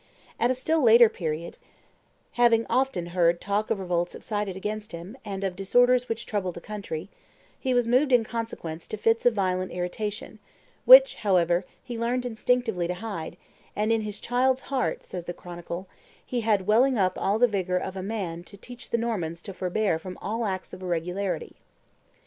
At a still later period, having often heard talk of revolts excited against him, and of disorders which troubled the country, he was moved, in consequence, to fits of violent irritation, which, however, he learned instinctively to bide, "and in his child's heart," says the chronicle, "he had welling up all the vigor of a man to teach the Normans to forbear from all acts of irregularity."